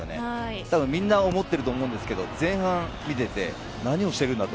たぶん、みんな思ってると思うんですけど、前半を見てて何をしているんだと。